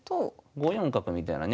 ５四角みたいなね